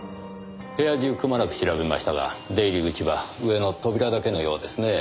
部屋中くまなく調べましたが出入り口は上の扉だけのようですねぇ。